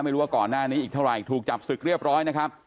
ไม่รู้ว่าก่อนหน้านี้อีกเท่าไหร่ถูกจับศึกเรียบร้อยนะครับ